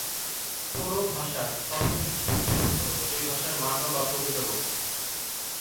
কোনো ভাষার সর্বজনীন স্বীকৃত রূপ হলো সেই ভাষার মান্য বা প্রমিত রূপ।